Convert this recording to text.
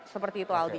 seperti itu aldi